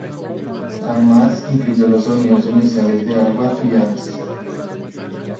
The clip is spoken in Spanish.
Además, incluyó los sonidos iniciales de agua y aves.